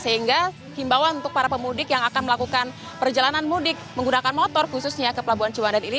sehingga himbawan untuk para pemudik yang akan melakukan perjalanan mudik menggunakan motor khususnya ke pelabuhan ciwandan ini